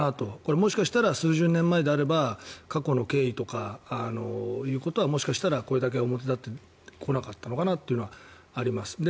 もしかしたら数十年前であれば過去の経緯とかということはもしかしたらこれだけ表立ってこなかったのかなというのはあります。